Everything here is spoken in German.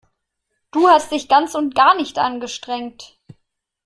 Du hast dich ganz und gar nicht angestrengt.